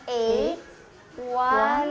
terus dari sini